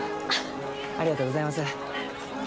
ありがとうございます。